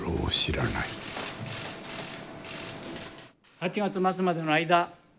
８月末までの間